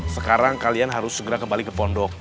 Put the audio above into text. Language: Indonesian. sekarang kalian harus segera kembali ke pondok